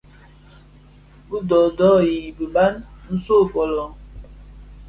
Dhi doodoo yi biban bin nso fōlō.